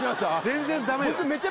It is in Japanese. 全然ダメよ